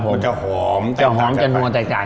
มันจะหอมแตกต่าง